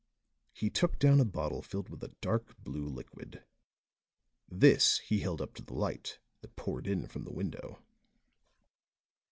He took down a bottle filled with a dark blue liquid. This he held up to the light that poured in from the window.